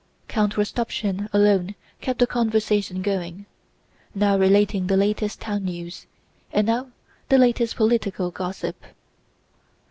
Count Rostopchín alone kept the conversation going, now relating the latest town news, and now the latest political gossip.